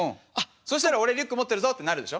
そしたら「俺リュック持ってるぞ」ってなるでしょ？